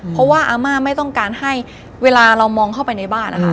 เพราะว่าอาม่าไม่ต้องการให้เวลาเรามองเข้าไปในบ้านนะคะ